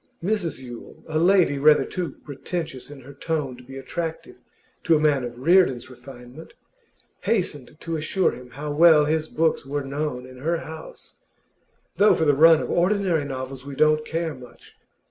Mrs Yule, a lady rather too pretentious in her tone to be attractive to a man of Reardon's refinement, hastened to assure him how well his books were known in her house, 'though for the run of ordinary novels we don't care much.